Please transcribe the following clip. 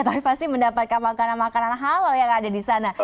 tapi pasti mendapatkan makanan makanan halal yang ada di sana